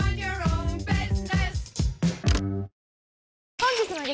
本日の激